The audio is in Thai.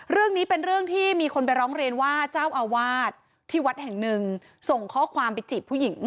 เรื่องนี้เป็นเรื่องที่มีคนไปร้องเรียนว่าเจ้าอาวาสที่วัดแห่งหนึ่งส่งข้อความไปจีบผู้หญิง